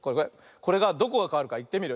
これがどこがかわるかいってみるよ。